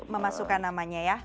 memasukkan namanya ya